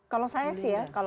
kalau saya sih ya